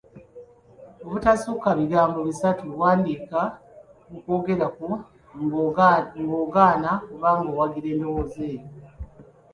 Obutasukka bigambo bisatu; wandiika okwogera kwo ng’ogaana oba ng’owagira endowooza eyo.